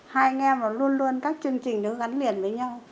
hai anh em luôn luôn các chương trình đó gắn liền với nhau